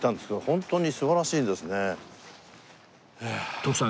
徳さん